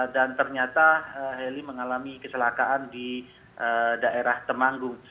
dan ternyata heli mengalami keselakaan di daerah temanggung